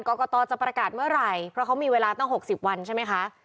กรกตจะประกาศเมื่อไหร่เพราะเขามีเวลาตั้ง๖๐วันใช่ไหมคะ